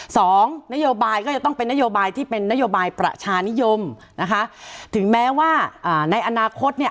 สองนโยบายก็จะต้องเป็นนโยบายที่เป็นนโยบายประชานิยมนะคะถึงแม้ว่าอ่าในอนาคตเนี่ย